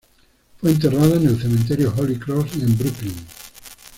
Fue enterrada en el Cementerio Holy Cross, en Brooklyn.